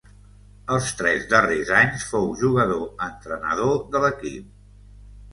Els tres darrers anys fou jugador-entrenador de l'equip.